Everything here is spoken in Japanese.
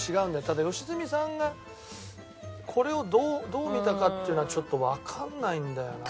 ただ良純さんがこれをどう見たかっていうのはちょっとわかんないんだよな。